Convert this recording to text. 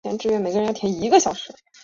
刺子莞属是莎草科下的一个属。